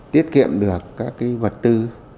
tiết kiệm được các cái vật tư